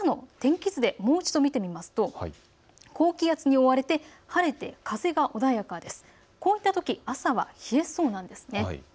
先ほどのあす朝の天気図でもう一度見てみますと高気圧に覆われて晴れて風が穏やかです。